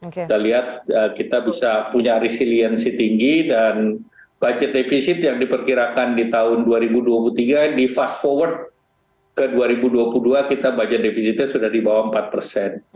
kita lihat kita bisa punya resiliensi tinggi dan budget defisit yang diperkirakan di tahun dua ribu dua puluh tiga di fast forward ke dua ribu dua puluh dua kita budget defisitnya sudah di bawah empat persen